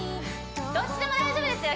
どっちでも大丈夫ですよ